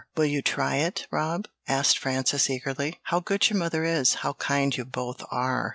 Will you try it, Rob?" asked Frances, eagerly. "How good your mother is; how kind you both are!"